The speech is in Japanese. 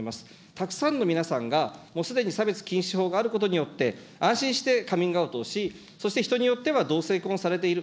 たくさんの皆さんが、もうすでに差別禁止法があることによって、安心してカミングアウトをし、そして人によっては同性婚をされている。